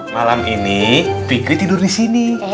malam ini fikri tidur di sini